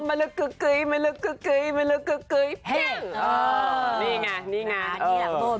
อ๋อเมลกเก๋ยเมลกเก๋ยเมลกเก๋ยเพี้ยงโอ้ยนี่ไงนี่ไง